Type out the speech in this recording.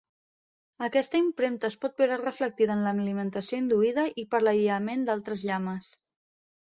Aquesta impremta es pot veure reflectida en l'alimentació induïda i per l'aïllament d'altres llames.